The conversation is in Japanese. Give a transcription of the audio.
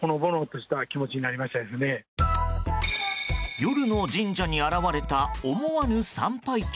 夜の神社に現れた思わぬ参拝客。